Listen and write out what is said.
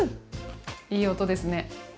いい音ですね。